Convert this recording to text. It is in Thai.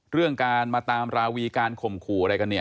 เรื่องการมาตามราวีการข่มขู่อะไรกันเนี่ย